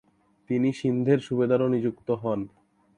তিনি সিন্ধের সুবেদারও নিযুক্ত হন।